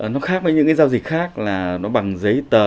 nó khác với những cái giao dịch khác là nó bằng giấy tờ